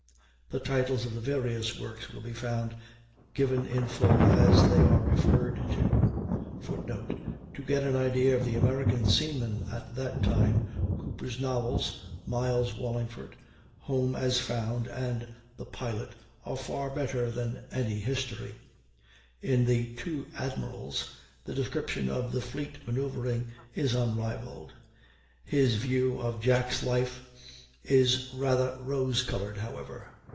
The titles of the various works will be found given in full as they are referred to. [Footnote: To get an idea of the American seamen of that time Cooper's novels, "Miles Wallingford," "Home as Found," and the "Pilot," are far better than any history; in the "Two Admirals" the description of the fleet manoeuvring is unrivalled. His view of Jack's life is rather rose colored however.